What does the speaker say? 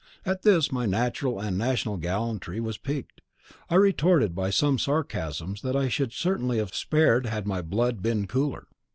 At this my natural and national gallantry was piqued, and I retorted by some sarcasms that I should certainly have spared had my blood been cooler.